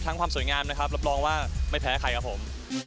ความสวยงามนะครับรับรองว่าไม่แพ้ใครครับผม